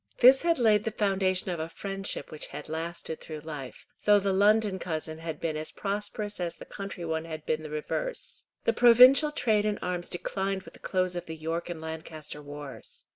This had laid the foundation of a friendship which had lasted through life, though the London cousin had been as prosperous as the country one had been the reverse. The provincial trade in arms declined with the close of the York and Lancaster wars.